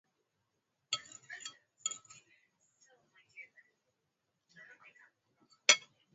iwaahidi wananchi wa kawaida wale ambayo watawafanyia iwapo watachaguliwa